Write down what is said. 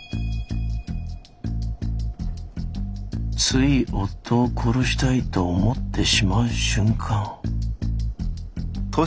「つい夫を殺したいと思ってしまう瞬間」